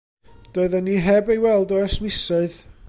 Doeddan ni heb i weld o ers misoedd.